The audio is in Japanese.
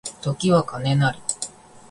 時は金なり